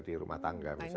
di rumah tangga misalnya